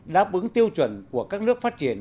đáp ứng tiêu chuẩn của các nước phát triển